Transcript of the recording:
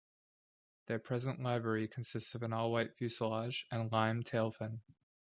Their present livery consists of an all-white fuselage and lime tailfin.